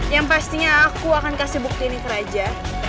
yang pastinya aku akan kasih bukti ini ke raja